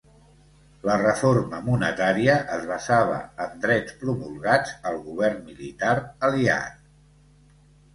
La reforma monetària es basava en drets promulgats el govern militar Aliat.